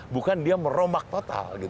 bukan dia merombak total